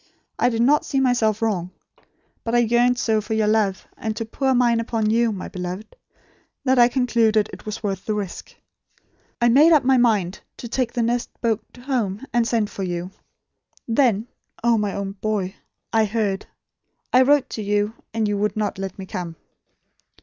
I did not see myself wrong; but I yearned so for your love, and to pour mine upon you, my beloved, that I concluded it was worth the risk. I made up my mind to take the next boat home, and send for you. Then oh, my own boy I heard. I wrote to you; and you would not let me come."